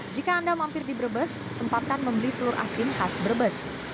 jika anda mampir di brebes sempatkan membeli telur asin khas brebes